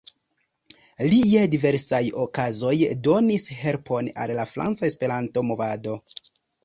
Li je diversaj okazoj donis helpon al la franca Esperanto-movado.